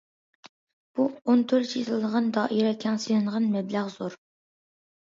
بۇ ئون تۈر چېتىلىدىغان دائىرە كەڭ، سېلىنغان مەبلەغ زور.